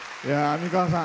美川さん。